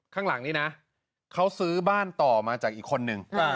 ข้างหลังนี้นะเขาซื้อบ้านต่อมาจากอีกคนนึง